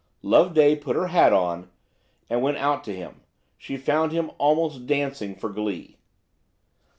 Loveday put her hat on, and went out to him. She found him almost dancing for glee.